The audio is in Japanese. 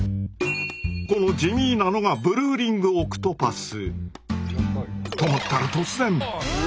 この地味なのがブルーリングオクトパス。と思ったら突然！